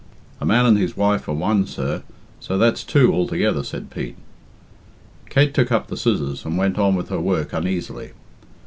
"A man and his wife are one, sir so that's two altogether," said Pete. Kate took up the scissors and went on with her work uneasily.